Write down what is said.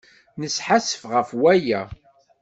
Nesḥassef ɣef waya.